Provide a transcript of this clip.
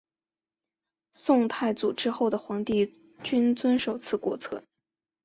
宋太祖之后的皇帝均遵守此国策。